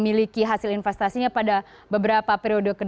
memiliki hasil investasinya pada beberapa periode kedua